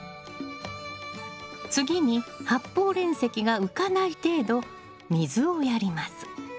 次に発泡煉石が浮かない程度水をやります。